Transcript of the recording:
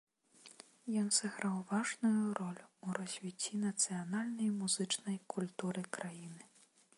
Ён сыграў важную ролю ў развіцці нацыянальнай музычнай культуры краіны.